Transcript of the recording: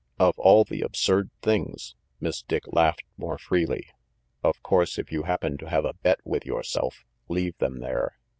"Of all the absurd things!" Miss Dick laughed more freely. "Of course, if you happen to have a bet with yourself, leave them there."